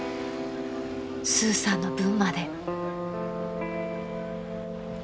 ［スーさんの分まで］